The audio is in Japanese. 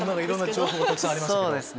情報がたくさんありました。